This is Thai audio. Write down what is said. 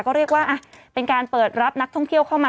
ก็เรียกว่าเป็นการเปิดรับนักท่องเที่ยวเข้ามา